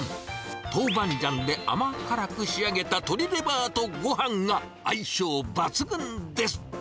トウバンジャンで甘辛く仕上げた鶏レバーとごはんが相性抜群です。